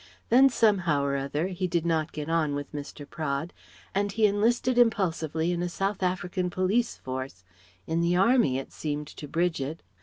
Then somehow or other he did not get on with Mr. Praed and he enlisted impulsively in a South African Police force (in the Army, it seemed to Bridget).